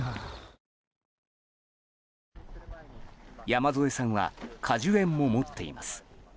山添さんは果樹園も持っています。